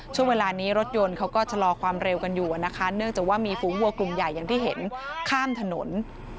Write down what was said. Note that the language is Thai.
ช่วงเวลานี้รถยนต์เขาก็ชะลอความเร็วกันอยู่นะคะเนื่องจากว่ามีฝูงวัวกลุ่มใหญ่อย่างที่เห็นข้ามถนน